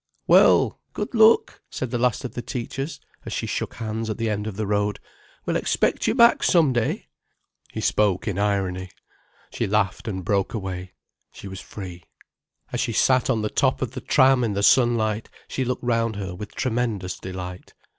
"Well, good luck," said the last of the teachers, as she shook hands at the end of the road. "We'll expect you back some day." He spoke in irony. She laughed, and broke away. She was free. As she sat on the top of the tram in the sunlight, she looked round her with tremendous delight.